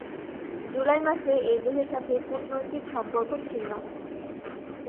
জুলাই মাসে এই দেশের সাথে কূটনৈতিক সম্পর্ক ছিন্ন হয়।